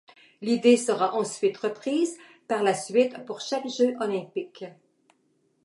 L'idée sera ensuite reprise par la suite pour chaque Jeux olympiques.